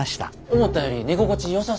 思ったより寝心地よさそうやん。